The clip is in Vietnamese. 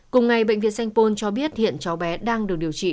cùng ngày bệnh viện sanh pôn cho biết hiện cháu bé đang được điều trị